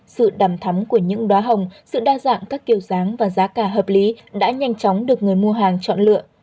sự đầm thắm của những đoá hồng sự đa dạng các kiểu dáng và giá cả hợp lý đã nhanh chóng được người mua hàng chọn lựa